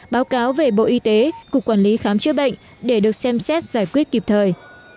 báo cáo về bộ y tế cục quản lý khám chữa bệnh để được xem xét giải quyết kịp thời